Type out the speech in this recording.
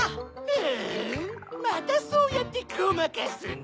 ふんまたそうやってごまかすんだ！